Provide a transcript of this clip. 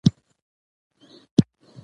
او د ژوند په ښه کولو کې